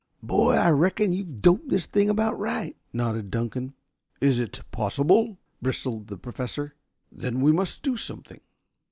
"Boy, I reckon you've doped this thing about right," nodded Dunkan. "Is it possible?" bristled the Professor. "Then we must do something."